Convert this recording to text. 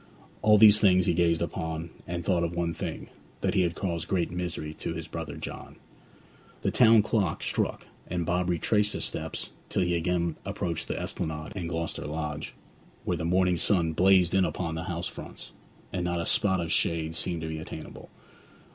All these things he gazed upon, and thought of one thing that he had caused great misery to his brother John. The town clock struck, and Bob retraced his steps till he again approached the Esplanade and Gloucester Lodge, where the morning sun blazed in upon the house fronts, and not a spot of shade seemed to be attainable.